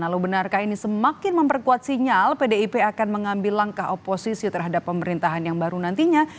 lalu benarkah ini semakin memperkuat sinyal pdip akan mengambil langkah oposisi terhadap pemerintahan yang baru nantinya